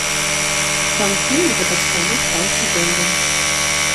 Сам фільм гэтаксама стаў шэдэўрам.